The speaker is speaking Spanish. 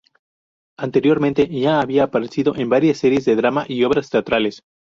Anteriormente ya había aparecido en varias series de drama y obras teatrales.